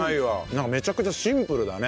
なんかめちゃくちゃシンプルだね。